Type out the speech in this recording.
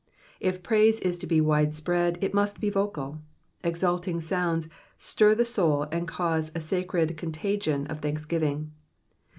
If praise is to be wide spread, it must be vocal ; exulting sounds stir the soul and cause a sacred contagion of thanksgiving.